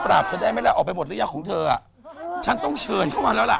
หลายคนเคยเรียกว่าอาจารย์เทียม